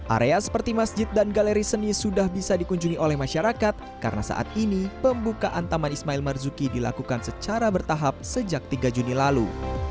area seperti masjid dan galeri seni sudah bisa dikunjungi oleh masyarakat karena saat ini pembukaan taman ismail marzuki dilakukan secara bertahap sejak tiga juni lalu